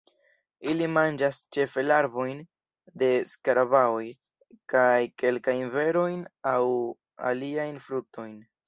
Ili manĝas ĉefe larvojn de skaraboj, kaj kelkajn berojn aŭ aliajn fruktojn.